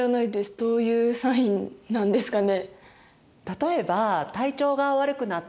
どういうサインなんですかね？